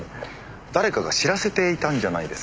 誰かが知らせていたんじゃないですかね？